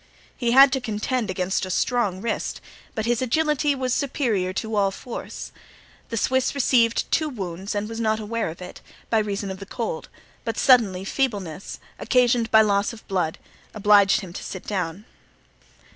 He had to contend against a strong wrist, but his agility was superior to all force. The Swiss received two wounds and was not aware of it, by reason of the cold; but suddenly feebleness, occasioned by loss of blood, obliged him to sit down.